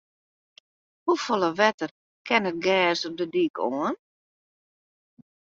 Hoefolle wetter kin it gers op de dyk oan?